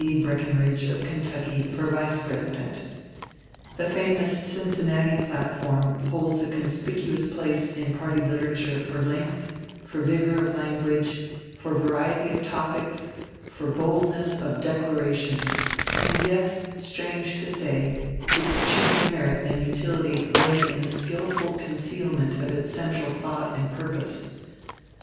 Breckinridge, of Kentucky, for Vice President. The famous "Cincinnati platform" holds a conspicuous place in party literature for length, for vigor of language, for variety of topics, for boldness of declaration; and yet, strange to say, its chief merit and utility lay in the skillful concealment of its central thought and purpose.